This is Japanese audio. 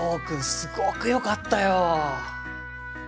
すごく良かったよ。